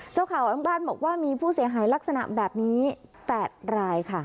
เจ้าข่าวอำบ้านบอกว่ามีผู้เสียหายลักษณะแบบนี้๘รายค่ะ